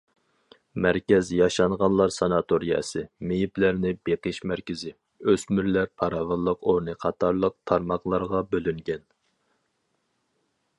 مەركەز ياشانغانلار ساناتورىيەسى، مېيىپلەرنى بېقىش مەركىزى، ئۆسمۈرلەر پاراۋانلىق ئورنى قاتارلىق تارماقلارغا بۆلۈنگەن.